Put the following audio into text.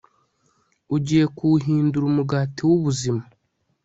ugiye kuwuhindura umugati w'ubuzima